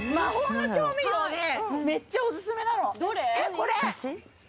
これ。